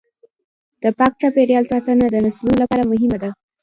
د پاک چاپیریال ساتنه د نسلونو لپاره مهمه ده.